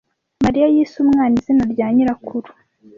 Mariya yise umwana izina rya nyirakuru.